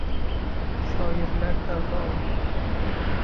Shoirlar davra oldi.